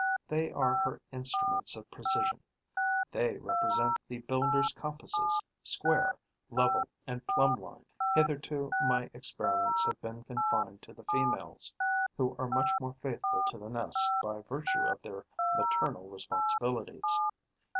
They are her instruments of precision; they represent the builder's compasses, square, level and plumb line. Hitherto my experiments have been confined to the females, who are much more faithful to the nest by virtue of their maternal responsibilities.